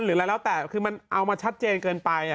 หรืออะไรแล้วแต่คือมันเอามาชัดเจนเกินไป